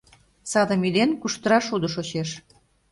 Садым ӱден, куштыра шудо шочеш.